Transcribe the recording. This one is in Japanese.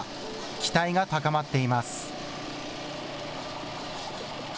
期待が高まっています。